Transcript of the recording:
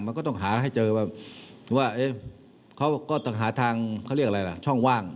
มันก็ต้องหาให้เจอว่าเขาก็ต้องหาทางเขาเรียกอะไรล่ะช่องว่าง